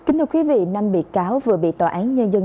nam bị cáo vừa bị tòa án nhân dân